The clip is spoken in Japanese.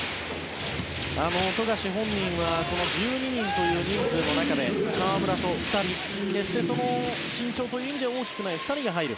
富樫本人はこの１２人という人数の中で河村と２人決して身長という意味では大きくない２人が入る。